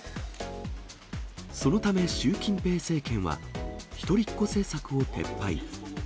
そのため習近平政権は、１人っ子政策を撤廃。